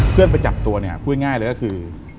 เพื่อนไปจับตัวเนี่ยพูดง่ายเลยก็คือ